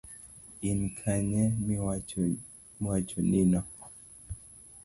In kanye miwachonino?